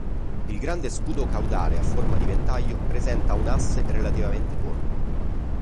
Il grande scudo caudale a forma di ventaglio presenta un asse relativamente corto.